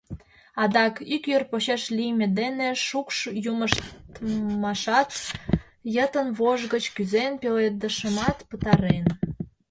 Адак, йӱр почеш лийме дене шукш юмыштмашат йытын вож гыч кӱзен, пеледышымат пытарен.